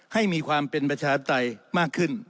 ให้มีความเป็นประชาธิปไตยมากขึ้น